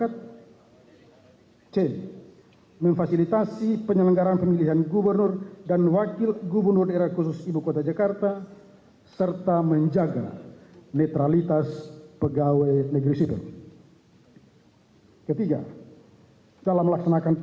a memimpin pelaksanaan urusan pemerintahan yang menjadi kewenangan daerah berdasarkan ketentuan peraturan perundang undangan